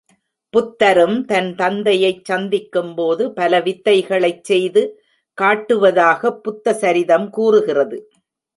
புத்தரும் தன் தந்தையைச் சந்திக்கும்போது பலவித்தைகளைச் செய்து காட்டுவதாகப் புத்தசரிதம் கூறுகிறது.